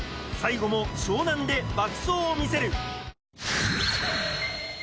最後も湘南で爆走を見せる。